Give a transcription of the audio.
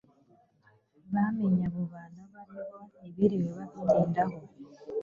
bamenya abo bantu abo aribo ntibiriwe babitindaho